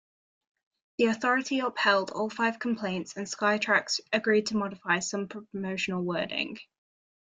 The Authority upheld all five complaints and Skytrax agreed to modify some promotional wording.